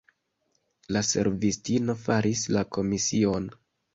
La servistino faris la komision.